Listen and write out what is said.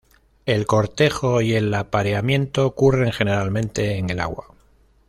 El cortejo y el apareamiento ocurren generalmente en el agua.